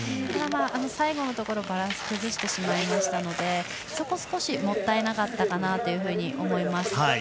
ただ最後のところでバランスを崩したのでそこが少しもったいなかったなと思います。